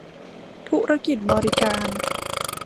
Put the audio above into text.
ธุรกิจบริการ